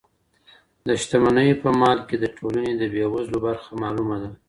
د شتمنو په مال کي د ټولني د بیوزلو برخه معلومه ده.